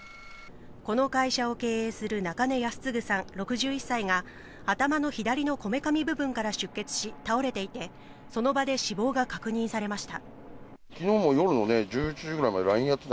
この会社を経営する中根康継さん、６１歳が頭のこめかみ部分から出血し倒れていてその場で死亡が確認されました。